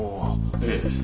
ええ。